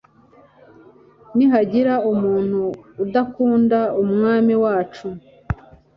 nihagira umuntu udakunda umwami wacu